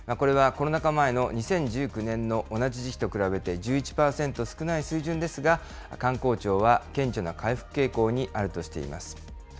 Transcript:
これはコロナ禍前の２０１９年の同じ時期と比べて、１１％少ない水準ですが、観光庁は顕著な回復傾向にあるとしています。